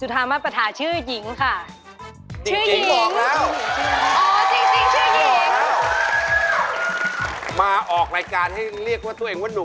ผมรู้สึกว่าเสียงบางเสียงของเขา